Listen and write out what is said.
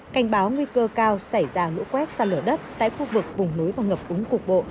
cảnh báo nguy cơ cao xảy ra lũ quét ra lửa đất tại khu vực vùng núi và ngập úng cục bộ